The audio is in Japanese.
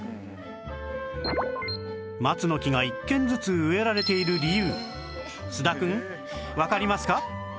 松の木が１軒ずつ植えられている理由菅田くんわかりますか？